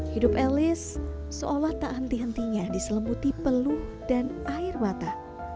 hidup elis seolah tak henti hentinya diselemuti peluh dan air mata